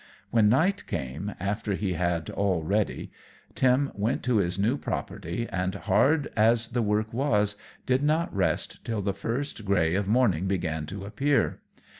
When night came, after he had all ready, Tim went to his new property, and, hard as the work was, did not rest till the first grey of morning began to appear.